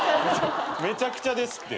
めちゃくちゃです。